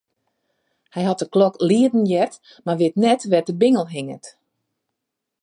Hy hat de klok lieden heard, mar wit net wêr't de bingel hinget.